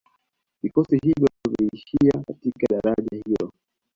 Vikosi hivyo viliishia katika daraja hilo